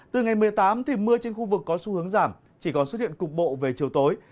từ ngày một mươi tám thì mưa trên khu vực có xu hướng giảm chỉ còn xuất hiện cục bộ về chiều tối